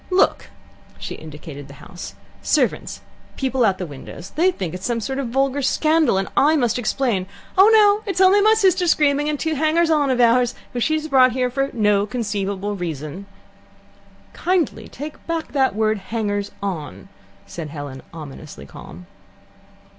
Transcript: Look" she indicated the house "servants, people out of the windows. They think it's some vulgar scandal, and I must explain, 'Oh no, it's only my sister screaming, and only two hangers on of ours, whom she has brought here for no conceivable reason.'" "Kindly take back that word 'hangers on,'" said Helen, ominously calm.